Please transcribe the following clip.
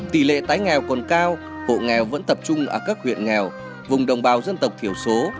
tỷ lệ tái nghèo còn cao hộ nghèo vẫn tập trung ở các huyện nghèo vùng đồng bào dân tộc thiểu số